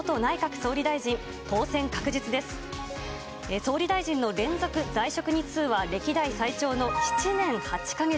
総理大臣の連続在職日数は歴代最長の７年８か月。